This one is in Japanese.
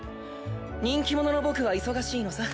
人気者の僕は忙しいのさ。